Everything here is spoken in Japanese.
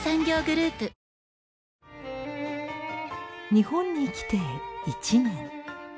日本に来て１年。